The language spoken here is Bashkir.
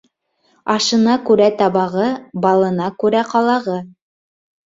Ашына күрә табағы, балына күрә ҡалағы.